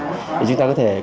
thì chúng ta có thể cân đối